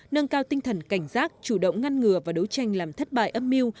nâng cao tinh thần cảnh giác chủ động ngăn ngừa và đấu tranh làm thất bại âm mưu